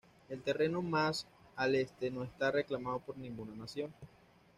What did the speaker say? El terreno más al este no está reclamado por ninguna nación.